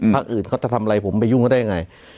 อื่นเขาจะทำอะไรผมไปยุ่งเขาได้ยังไง